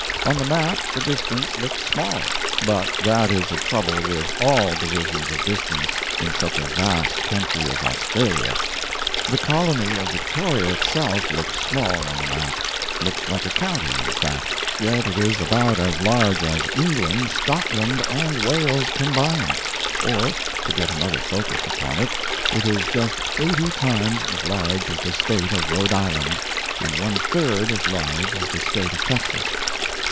On the map the distance looked small; but that is a trouble with all divisions of distance in such a vast country as Australia. The colony of Victoria itself looks small on the map looks like a county, in fact yet it is about as large as England, Scotland, and Wales combined. Or, to get another focus upon it, it is just 80 times as large as the state of Rhode Island, and one third as large as the State of Texas.